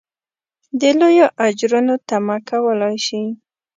د لویو اجرونو تمه کولای شي.